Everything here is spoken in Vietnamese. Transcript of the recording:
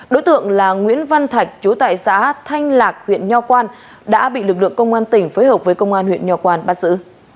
đối tượng là nguyễn văn thạch chú tại xã thanh lạc huyện nho quang đã bị lực lượng công an tỉnh phối hợp với công an huyện nho quan bắt giữ